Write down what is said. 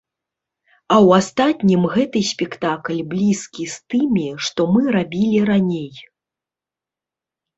А ў астатнім гэты спектакль блізкі з тымі, што мы рабілі раней.